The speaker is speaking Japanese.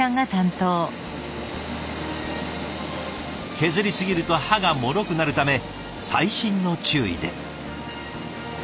削りすぎると刃がもろくなるため細心の注意で。